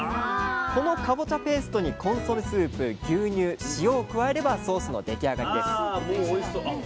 このかぼちゃペーストにコンソメスープ牛乳塩を加えればソースの出来上がりです。